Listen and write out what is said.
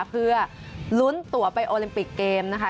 เพื่อลุ้นตัวไปโอลิมปิกเกมนะคะ